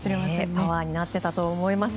パワーになっていたと思います。